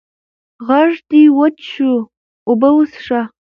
غږ دې وچ شو اوبه وڅښه!